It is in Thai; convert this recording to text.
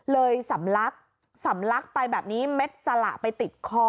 สำลักสำลักไปแบบนี้เม็ดสละไปติดคอ